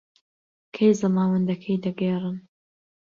کەی زەماوەندەکەی دەگێڕن؟